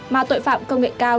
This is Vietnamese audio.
mà tội phạm công nghệ cao